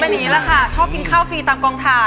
ไม่มีแล้วค่ะชอบกินข้าวฟรีตามกองถ่าย